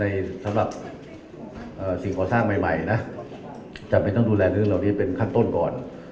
สำหรับสิ่งก่อสร้างใหม่นะจำเป็นต้องดูแลเรื่องเหล่านี้เป็นขั้นต้นก่อน